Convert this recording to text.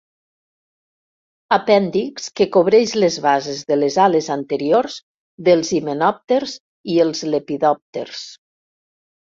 Apèndix que cobreix les bases de les ales anteriors dels himenòpters i els lepidòpters.